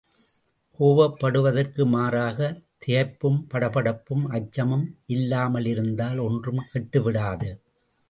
கோபப்படுவதற்கு மாறாகத் திகைப்பும் படபடப்பும் அச்சமும் இல்லாமலிருந்தால் ஒன்றும் கெட்டுவிடாது.